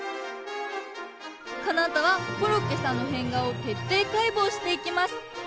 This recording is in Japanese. このあとはコロッケさんの変顔を徹底解剖していきます。